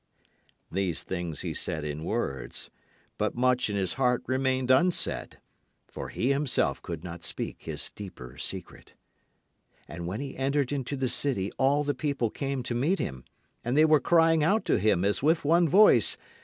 These things he said in words. But much in his heart remained unsaid. For he himself could not speak his deeper secret. [Illustration: 0020] And when he entered into the city all the people came to meet him, and they were crying out to him as with one voice.